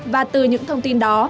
và từ những thông tin đó